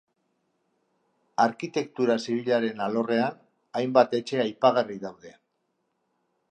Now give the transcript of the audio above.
Arkitektura zibilaren alorrean, hainbat etxe aipagarri daude.